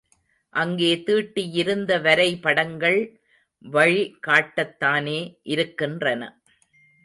அங்கே தீட்டியிருந்த வரைபடங்கள் வழி காட்டத்தானே இருக்கின்றன.